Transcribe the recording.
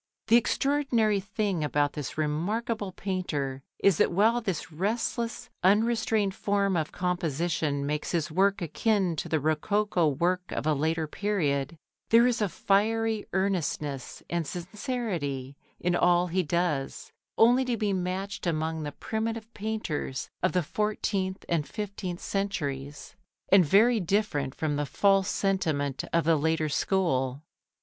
The extraordinary thing about this remarkable painter is that while this restless, unrestrained form of composition makes his work akin to the rococo work of a later period, there is a fiery earnestness and sincerity in all he does, only to be matched among the primitive painters of the fourteenth and fifteenth centuries, and very different from the false sentiment of the later school.